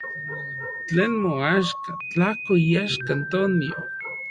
Tlen moaxka, tlajko iaxka Antonio.